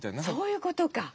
そういうことか。